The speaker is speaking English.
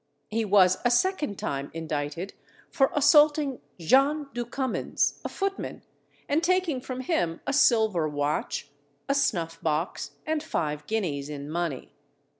He was a second time indicted for assaulting John du Cummins, a footman, and taking from him a silver watch, a snuff box, and five guineas in money.